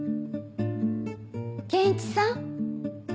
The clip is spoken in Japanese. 憲一さん。